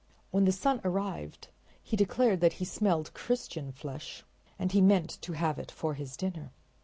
When the sun arrived he declared that he smelled Christian flesh and he meant to have it for his dinner.